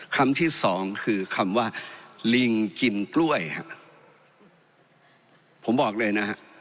คำที่สองคือคำว่าลิงกินกล้วยครับผมบอกเลยนะฮะ